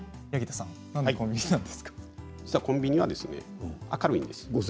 実はコンビニは明るいんですよ。